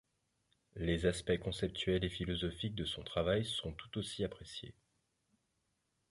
Les aspects conceptuels et philosophiques de son travail sont tout aussi appréciés.